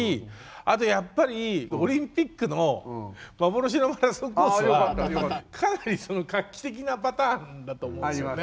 あとやっぱりオリンピックの幻のマラソンコースはかなり画期的なパターンだと思うんですよね。